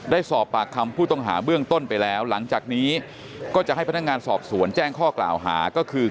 ได้สอบปากคำผู้ต้องหาเบื้องต้นไปแล้วหลังจากนี้ก็จะให้พนักงานสอบสวนแจ้งข้อกล่าวหาก็คือ